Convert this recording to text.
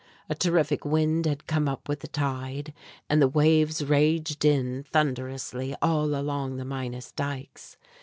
A terrific wind had come up with the tide, and the waves raged in thunderously all along the Minas Dykes.